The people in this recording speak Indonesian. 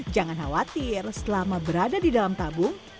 jangan khawatir selama berada di dalam tabung